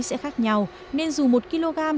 sẽ khác nhau nên dù một kg